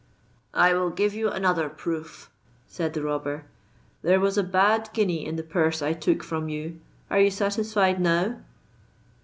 —"I will give you another proof," said the robber. "There was a bad guinea in the purse I took from you. Are you satisfied now?"